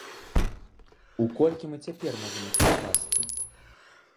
У колькі мы цяпер можам іх пакласці?